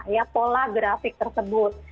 ya pola grafik tersebut